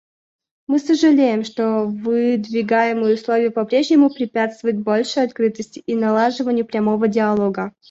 Мы сожалеем, что выдвигаемые условия по-прежнему препятствуют большей открытости и налаживанию прямого диалога.